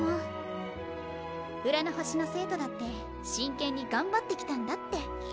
浦の星の生徒だって真剣に頑張ってきたんだって。